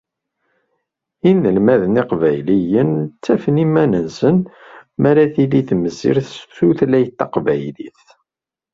Inelmaden lqbayliyen ttafen iman-nsen mi ara tili temsirt s tutlayt taqbaylit.